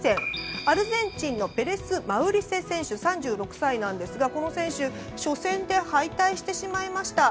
アルゼンチンのペレス・マウリセ選手３６歳ですが、この選手初戦で敗退してしまいました。